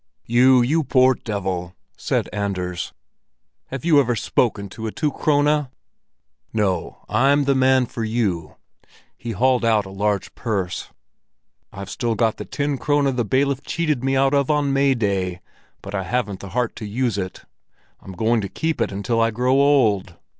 "You, you poor devil!" said Anders. "Have you ever spoken to a two krone? No, I'm the man for you!" He hauled out a large purse. "I've still got the ten krone that the bailiff cheated me out of on May Day, but I haven't the heart to use it; I'm going to keep it until I grow old."